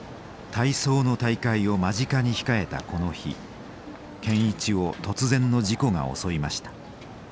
体操の大会を間近に控えたこの日健一を突然の事故が襲いました。